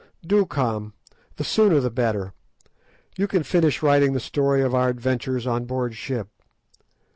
Do come; the sooner the better; you can finish writing the story of our adventures on board ship.